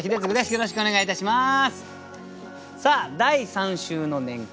よろしくお願いします。